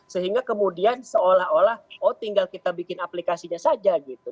sehingga kemudian seolah olah oh tinggal kita bikin aplikasinya saja gitu